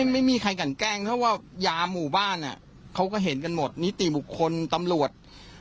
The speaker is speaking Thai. ไม่มีใครกันแกล้งเท่าว่ายาหมู่บ้านเขาก็เห็นกันหมดนิติบุคคลตำรวจ